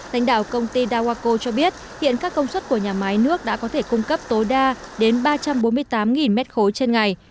thánh đạo công ty dawako cho biết hiện các công suất của nhà máy nước đã có thể cung cấp tối đa đến ba trăm bốn mươi tám m ba trên ngày